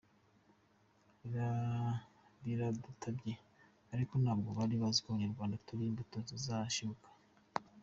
Baradutabye ariko ntabwo bari baziko Abanyarwanda turi imbuto zizashibuka” H.